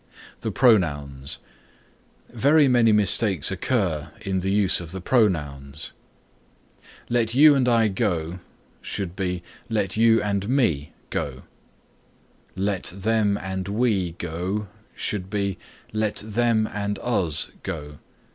THE PRONOUNS Very many mistakes occur in the use of the pronouns. "Let you and I go" should be "Let you and me go." "Let them and we go" should be "Let them and us go."